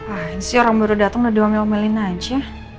ah ini sih orang baru datang udah diome omelin aja